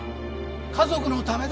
家族のためだ。